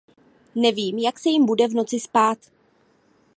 Nevím, jak se jim bude v noci spát.